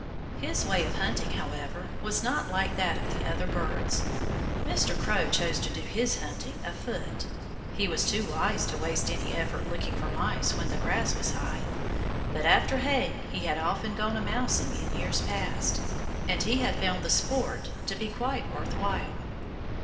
His way of hunting, however, was not like that of other birds. Mr. Crow chose to do his hunting afoot. He was too wise to waste any effort looking for mice when the grass was high. But after haying he had often gone a mousing in years past. And he had found the sport to be quite worth while.